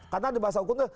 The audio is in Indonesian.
karena di bahasa umum itu